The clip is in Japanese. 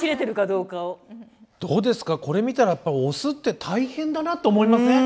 どうですかこれ見たらやっぱオスって大変だなと思いません？